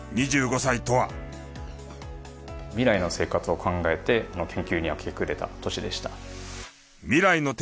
未来の生活を考えて研究に明け暮れた年でした。